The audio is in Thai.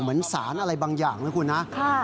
เหมือนสารอะไรบางอย่างนะคุณนะ